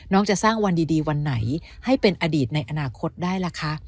จะสร้างวันดีวันไหนให้เป็นอดีตในอนาคตได้ล่ะคะ